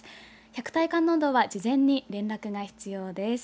百体観音堂は事前に連絡が必要です。